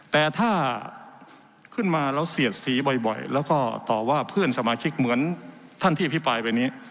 แต่ถ้าขึ้นมาแล้วเสียดสีบ่อยแล้วก็ต่อว่าเพื่อนสมาชิกเหมือนท่านที่อภิปรายไปนี้